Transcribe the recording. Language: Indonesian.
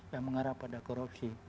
yang mengarah pada korupsi